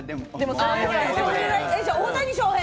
大谷翔平。